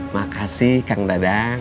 makasih kang dadang